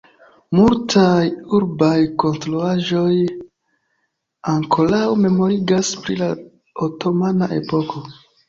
Multaj urbaj konstruaĵoj ankoraŭ memorigas pri la otomana epoko.